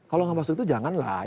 kalau nggak masuk itu janganlah